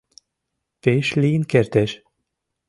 — Пеш лийын кертеш.